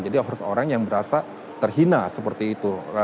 jadi harus orang yang berasa terhina seperti itu